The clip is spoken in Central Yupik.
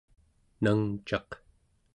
nangcaq